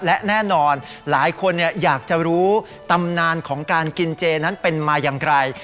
และแน่นอนหลายคนอยากจะรู้ตำนานของการกินเจนั้นเป็นมาอย่างไร